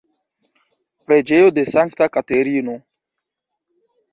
Preĝejo de Sankta Katerino.